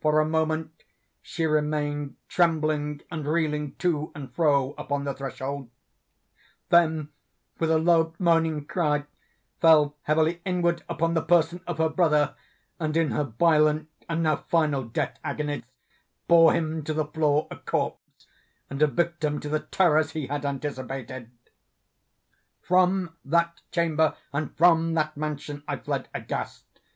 For a moment she remained trembling and reeling to and fro upon the threshold—then, with a low moaning cry, fell heavily inward upon the person of her brother, and in her violent and now final death agonies, bore him to the floor a corpse, and a victim to the terrors he had anticipated. From that chamber, and from that mansion, I fled aghast.